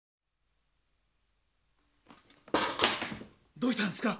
どうしたんですか？